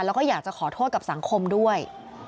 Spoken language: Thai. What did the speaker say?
แล้วก็อยากจะขอโทษกับสังคมด้วย